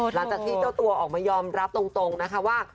หลังจากที่เจ้าตัวออกมายอมรับตรงว่า